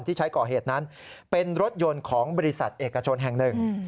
ที่ใช้ก่อเหตุนั้นเป็นรถยนต์ของบริษัทเอกชนแห่งหนึ่ง